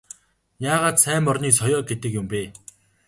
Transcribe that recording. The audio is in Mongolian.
Яагаад сайн морины соёо гэдэг юм бэ?